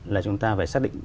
là chúng ta phải xác định